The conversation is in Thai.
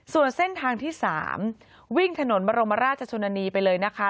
ส่วนเส้นทางที่๓วิ่งถนนบรมราชชนนานีไปเลยนะคะ